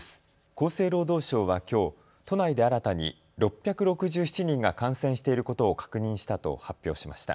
厚生労働省はきょう都内で新たに６６７人が感染していることを確認したと発表しました。